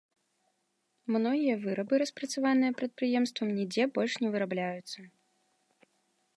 Многія вырабы, распрацаваныя прадпрыемствам, нідзе больш не вырабляюцца.